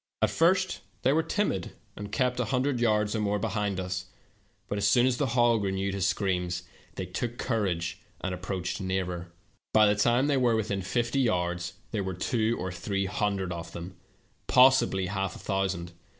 At first they were timid, and kept a hundred yards or more behind us, but as the hog renewed his scream, they took courage, and approached nearer. " By the time they were within fifty yards there were two or three hundred of them — possibl}^ half a thousand.